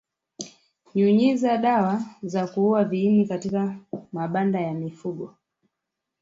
Nyunyiza dawa za kuua viini katika mabanda ya mifugo